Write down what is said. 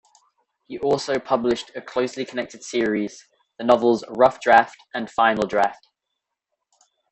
He also published a closely connected series, the novels "Rough Draft" and "Final Draft".